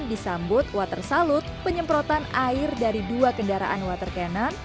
disambut water salut penyemprotan air dari dua kendaraan water cannon